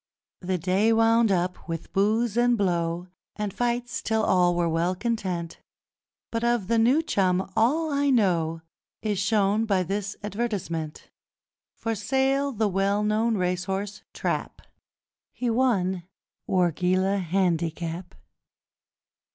..... The day wound up with booze and blow And fights till all were well content, But of the new chum, all I know Is shown by this advertisement 'For Sale, the well known racehorse Trap, He won Wargeilah Handicap!'